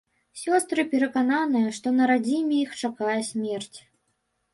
Сёстры перакананыя, што на радзіме іх чакае смерць.